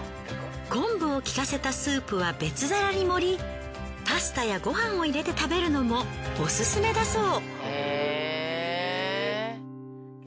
昆布を効かせたスープは別皿に盛りパスタやご飯も入れて食べるのもオススメだそう。